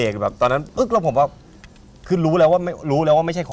ก็เข้าพอเล่มที่๕